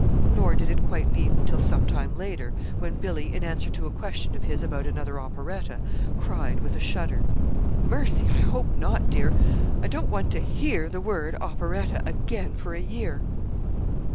Nor did it quite leave till some time later, when Billy, in answer to a question of his about another operetta, cried, with a shudder: "Mercy, I hope not, dear! I don't want to hear the word 'operetta' again for a year!"